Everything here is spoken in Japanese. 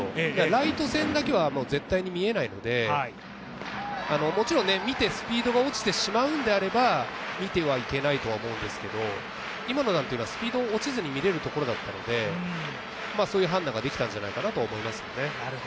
ライト線だけは絶対に見えないので、もちろん見てスピードが落ちてしまうんであれば見てはいけないとは思うんですけど、今のはスピードが落ちずに見られるところだったので、そういう判断ができたんじゃないかなと思いますね。